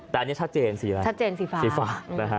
แต่อันนี้ชัดเจนสีอะไรชัดเจนสีฟ้าสีฟ้านะฮะ